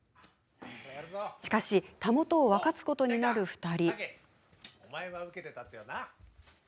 しかしたもとを分かつことになる２人。